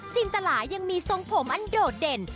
จินตลายังมีทรงผมอันโดดเด่น